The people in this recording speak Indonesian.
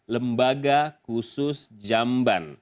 lembaga khusus jamban